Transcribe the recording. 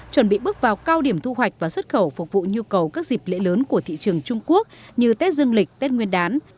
chuẩn bị bước vào cao điểm thu hoạch và xuất khẩu phục vụ nhu cầu các dịp lễ lớn của thị trường trung quốc như tết dương lịch tết nguyên đán